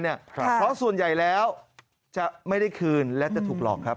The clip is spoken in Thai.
เพราะส่วนใหญ่แล้วจะไม่ได้คืนและจะถูกหลอกครับ